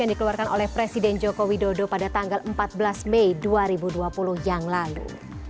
yang dikeluarkan oleh presiden joko widodo pada tanggal empat belas mei dua ribu dua puluh yang lalu